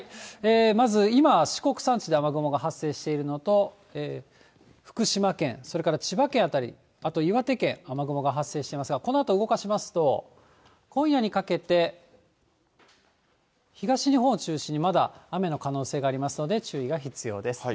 まず今、四国山地で雨雲が発生しているのと、福島県、それから千葉県辺り、あと岩手県、雨雲が発生していますが、このあと動かしますと、今夜にかけて、東日本を中心にまだ雨の可能性がありますので、注意が必要です。